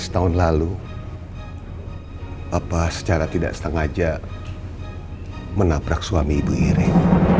delapan belas tahun lalu papa secara tidak setengah aja menabrak suami ibu iren